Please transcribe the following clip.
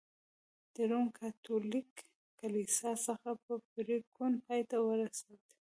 د روم کاتولیک کلیسا څخه په پرېکون پای ته ورسېد.